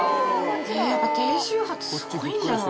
やっぱ低周波ってすごいんだな。